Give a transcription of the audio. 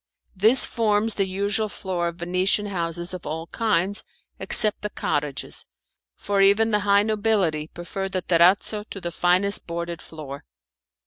This forms the usual floor of venetian houses of all kinds, except the cottages, for even the high nobility prefer the terrazzo to the finest boarded floor.